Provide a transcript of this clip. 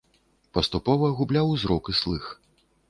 Паступова губляў зрок і слых.